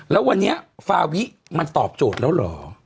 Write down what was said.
แล้ววันนี้ฟาวิมันตอบโจทย์แล้วเหรอ